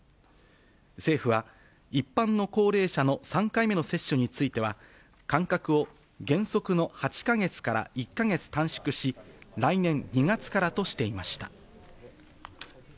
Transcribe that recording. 政府は、一般の高齢者の３回目の接種については、間隔を原則の８か月から１か月短縮し、来年２月からとしていました。